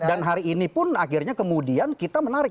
dan hari ini pun akhirnya kemudian kita menarik